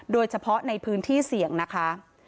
โดยเฉพาะในพื้นที่เสี่ยงนะคะ